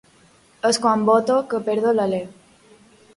És quan boto que perdo l'alè.